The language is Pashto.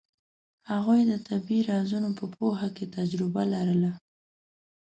هغوی د طبیعي رازونو په پوهه کې تجربه لرله.